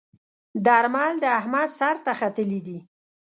درمل د احمد سر ته ختلي ديی.